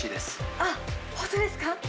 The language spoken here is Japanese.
あっ、本当ですか？